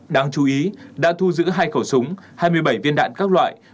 đáng chú ý đã thu giữ hai khẩu súng hai mươi bảy viên đạn các loại